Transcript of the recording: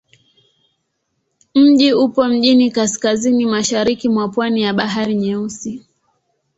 Mji upo mjini kaskazini-mashariki mwa pwani ya Bahari Nyeusi.